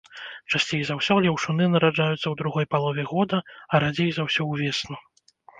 Часцей за ўсё леўшуны нараджаюцца ў другой палове года, а радзей за ўсё ўвесну.